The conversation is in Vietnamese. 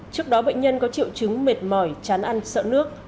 trước đó bệnh nhân có triệu chứng mệt mỏi chán ăn sợ nước